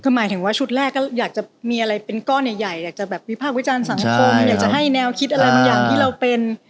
คือหมายถึงว่าชุดแรกก็อยากจะมีอะไรเป็นก้อนใหญ่อยากจะแบบวิพากษ์วิจารณ์สังคมอยากจะให้แนวคิดอะไรบางอย่างที่เราเป็น